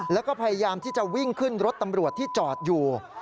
แล้วก็พยายามที่จะวิ่งขึ้นรถตำรวจที่จอดอยู่